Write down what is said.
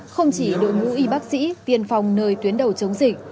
không chỉ đội ngũ y bác sĩ tiên phòng nơi tuyến đầu chống dịch